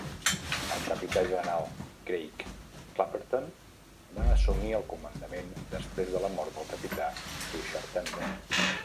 El capità general Craig Clapperton va assumir el comandament després de la mort del capità Tushar Tembe.